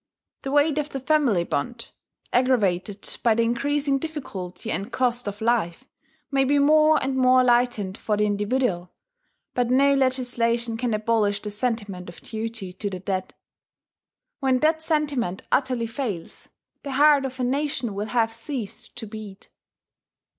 The weight of the family bond, aggravated by the increasing difficulty and cost of life, may be more and more lightened for the individual; but no legislation can abolish the sentiment of duty to the dead. When that sentiment utterly fails, the heart of a nation will have ceased to beat.